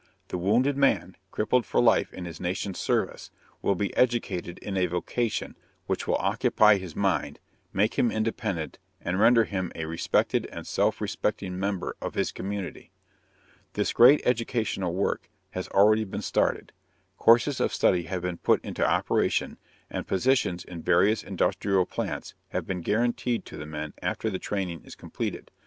The wounded man, crippled for life in his nation's service, will be educated in a vocation which will occupy his mind, make him independent, and render him a respected and self respecting member of his community. This great educational work has already been started, courses of study have been put into operation, and positions in various industrial plants have been guaranteed to the men after the training is completed.